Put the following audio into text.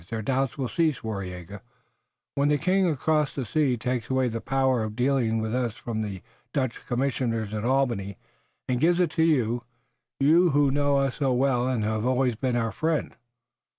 Their doubts will cease, Waraiyageh, when the king across the sea takes away the power of dealing with us from the Dutch commissioners at Albany, and gives it to you, you who know us so well and who have always been our friend."